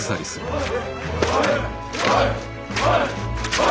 おい！